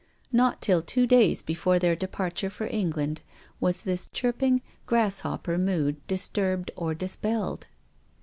Not till two days be fore their departure for England was this chirp ing, grasshopper mood disturbed or dispelled.